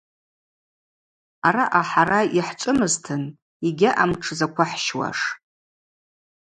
Араъа хӏара йхӏчӏвымызтын йгьаъам тшзаквыхӏщуаш.